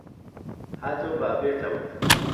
هاتهو با بێتهوه